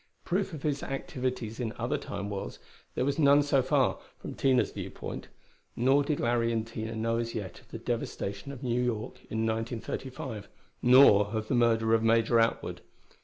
Proof of his activities in other Time worlds, there was none so far, from Tina's viewpoint. Nor did Larry and Tina know as yet of the devastation of New York in 1935; nor of the murder of Major Atwood.